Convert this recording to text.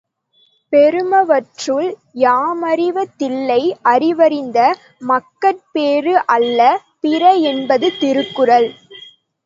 பெறுமவற்றுள் யாமறிவ தில்லை அறிவறிந்த மக்கட்பேறு அல்ல பிற என்பது திருக்குறள்.